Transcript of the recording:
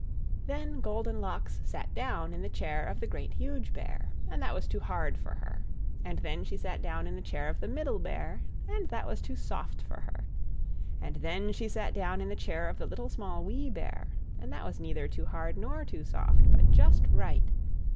Then Goldenlocks sat down in the chair of the Great, Huge Bear, and that was too hard for her. And then she sat down in the chair of the Middle Bear, and that was too soft for her. And then she sat down in the chair of the Little, Small, Wee Bear, and that was neither too hard nor too soft, but just right.